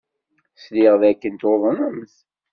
Sliɣ dakken tuḍnemt.